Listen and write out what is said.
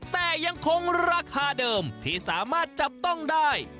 แต่ยังคงราคาเดิมที่สามารถจับต้องได้